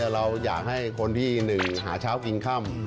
เราอยากให้คนที่หนึ่งหาเช้าอิงคัม